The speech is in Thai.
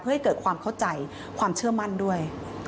ให้เกิดความเข้าใจความเชื่อมั่นด้วย